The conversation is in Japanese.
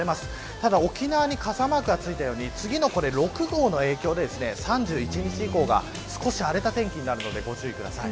ただ、沖縄に傘マークがついたように次の６号の影響で３１日以降が少し荒れた天気になるのでご注意ください。